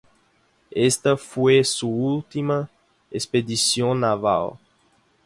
Esta fue su última expedición naval.